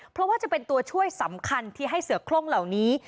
เพราะว่าจะเป็นตัวช่วยสำคัญที่ให้เสือโครงเหล่านี้